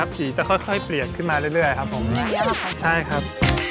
เราชอบมากเลยนะครับ